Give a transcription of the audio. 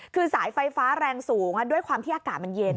คือสายไฟฟ้าแรงสูงด้วยความที่อากาศมันเย็น